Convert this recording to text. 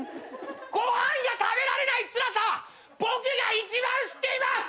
ご飯が食べられないつらさは僕が一番知っています！